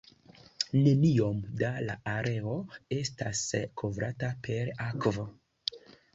Neniom da la areo estas kovrata per akvo.